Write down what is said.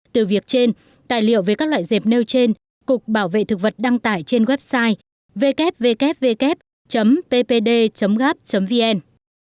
từ việc trên tài liệu về các loại dẹp nêu trên cục bảo vệ thực vật đăng tải trên website ww ppd gap vn